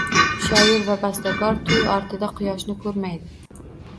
Shoir va bastakor to'y ortida quyoshni ko'rmaydi